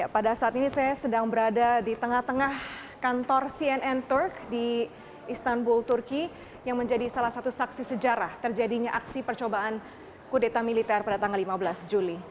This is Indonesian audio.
pada saat ini saya sedang berada di tengah tengah kantor cnn turk di istanbul turki yang menjadi salah satu saksi sejarah terjadinya aksi percobaan kudeta militer pada tanggal lima belas juli